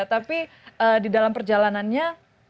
tapi di dalam perjalanannya